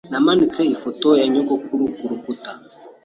Namanitse ifoto ya nyogokuru kurukuta.